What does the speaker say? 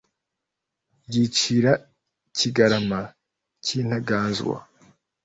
yicira kigarama cy' intaganzwa